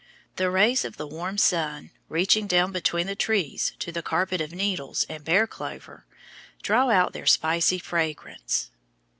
The rays of the warm sun, reaching down between the trees to the carpet of needles and "bear clover," draw out their spicy fragrance.